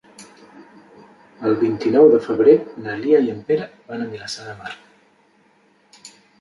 El vint-i-nou de febrer na Lia i en Pere van a Vilassar de Mar.